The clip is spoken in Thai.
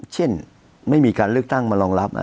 เช่นไม่มีการเลือกตั้งมารองรับ